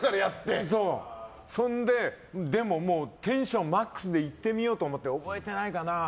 それで、でもテンションマックスで行ってみようと思って覚えてないかな